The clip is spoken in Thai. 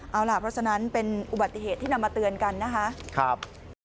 เอาล่ะเพราะฉะนั้นเป็นอุบัติเหตุที่นำมาเตือนกันนะคะ